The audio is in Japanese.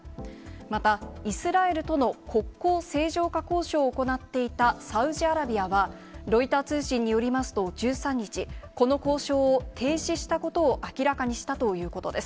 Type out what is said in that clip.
また、イスラエルとの国交正常化交渉を行っていたサウジアラビアは、ロイター通信によりますと、１３日、この交渉を停止したことを明らかにしたということです。